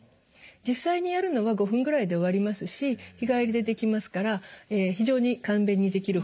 実際にやるのは５分ぐらいで終わりますし日帰りでできますから非常に簡便にできる方法なんです。